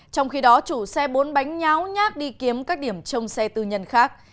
trong khi đó chủ xe bốn bánh nháo nhát đi kiếm các điểm trong xe tư nhân khác